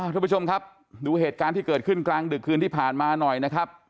ทุกผู้ชมครับดูเหตุการณ์ที่เกิดขึ้นกลางดึกคืนที่ผ่านมาหน่อยนะครับ